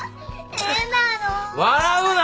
笑うな。